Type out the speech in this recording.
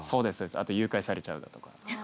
あと誘拐されちゃうだとか。